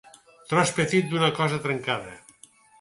Tros petit d'una cosa trencada.